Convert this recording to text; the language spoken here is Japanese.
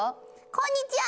「こんにちは！